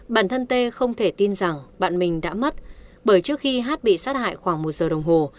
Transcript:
bản thân tê không thể tin rằng bạn mình đã mất bởi trước khi hát bị sát hại khoảng một giờ đồng hồ